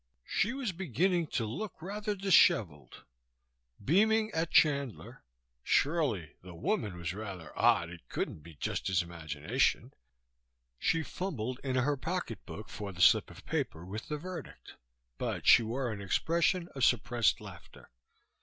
She was beginning to look rather disheveled. Beaming at Chandler surely the woman was rather odd, it couldn't be just his imagination she fumbled in her pocketbook for the slip of paper with the verdict. But she wore an expression of suppressed laughter.